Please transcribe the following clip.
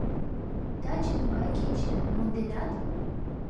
Таче могай кече, монденат?